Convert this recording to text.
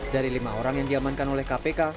dari lima orang yang diamankan oleh kpk